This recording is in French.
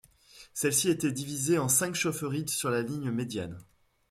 Celles-ci étaient divisées en cinq chaufferies sur la ligne médiane.